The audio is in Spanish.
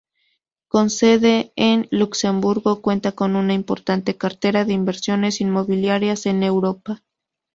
Con sede en Luxemburgo, cuenta con una importante cartera de inversiones inmobiliarias en Europa.